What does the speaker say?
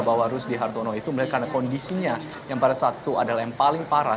bahwa rusdi hartono itu melihat karena kondisinya yang pada saat itu adalah yang paling parah